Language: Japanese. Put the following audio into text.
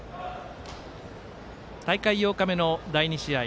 大会８日目の第２試合。